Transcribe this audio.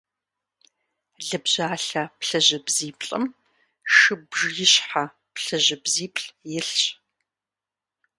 Лыбжьалъэ плъыжьыбзиплӏым шыбжиищхьэ плъыжьыбзиплӏ илъщ.